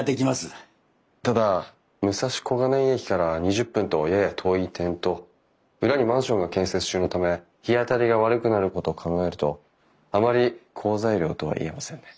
ただ武蔵小金井駅から２０分とやや遠い点と裏にマンションが建設中のため日当たりが悪くなることを考えるとあまり好材料とは言えませんね。